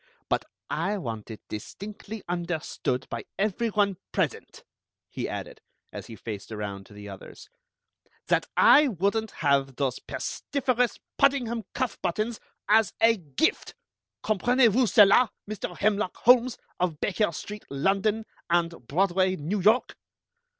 But I want it distinctly understood by every one present," he added, as he faced around to the others, "that I wouldn't have those pestiferous Puddingham cuff buttons as a gift! Comprenez vous cela, Mr. Hemlock Holmes of Baker Street, London, and Broadway, New York?"